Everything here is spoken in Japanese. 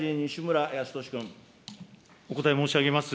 お答え申し上げます。